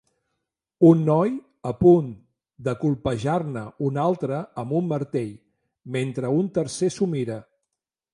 Un noi a punt de colpejar-ne un altre amb un martell, mentre un tercer s'ho mira.